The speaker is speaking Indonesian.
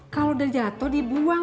kalau udah jatuh dibuang